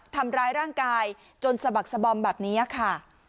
ทำร้ายร่างกายจนสะบักสะบอมแบบนี้ค่ะ